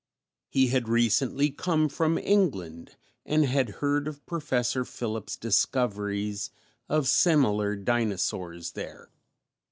He had recently come from England and had heard of Professor Phillips' discoveries of similar dinosaurs there.